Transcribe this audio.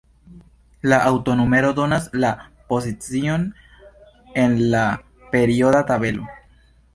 La atomnumero donas la pozicion en la perioda tabelo.